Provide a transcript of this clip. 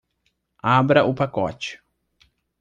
Abra o pacote